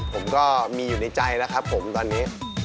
ผมก็มีอยู่ในใจแล้วครับผมตอนนี้